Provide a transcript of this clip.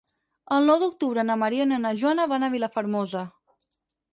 El nou d'octubre na Mariona i na Joana van a Vilafermosa.